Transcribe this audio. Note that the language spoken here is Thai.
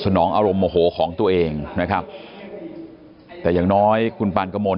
ภรรยาของนายสุพรรณยาชบรรทุงที่ต้องเสียชีวิตเพราะถูกเพื่อนบ้านขับรถพุ่งชนในการที่จะสนองอารมณ์โมโหของตัวเองนะครับ